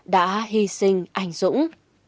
đã hi sinh anh dũng